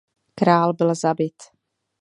Král byl zabit.